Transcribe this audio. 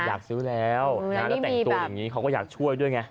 อยากซื้อแล้วแล้วแต่งตัวอย่างนี้เขาก็อยากช่วยด้วยไง